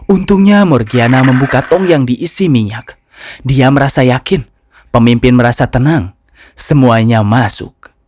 untungnya morgiana membuka tong yang diisi minyak dia merasa yakin pemimpin merasa tenang semuanya masuk